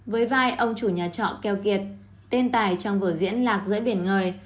với vai ông chủ nhà trọ keo kiệt tên tài trong vở diễn lạc giữa biển người